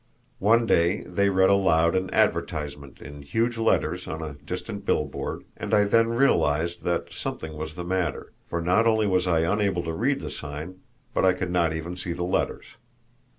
One day they read aloud an advertisement in huge letters on a distant billboard, and I then realized that something was the matter, for not only was I unable to read the sign but I could not even see the letters.